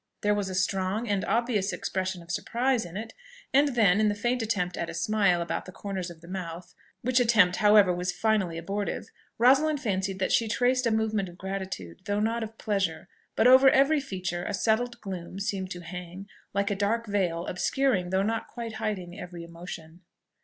There was a strong and obvious expression of surprise in it; and then, in the faint attempt at a smile about the corners of the mouth, which attempt, however, was finally abortive, Rosalind fancied that she traced a movement of gratitude, though not of pleasure; but over every feature a settled gloom seemed to hang, like a dark veil, obscuring, though not quite hiding every emotion.